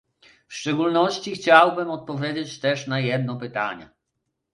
W szczególności chciałbym odpowiedzieć też na jedno pytanie